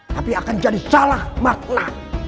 tapi akan jadi salah makna